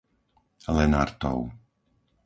Lenartov